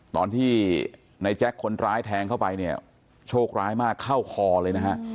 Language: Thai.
ตอนที่ในแจ็คคนร้ายแทงเข้าไปเนี่ยโชคร้ายมากเข้าคอเลยนะฮะ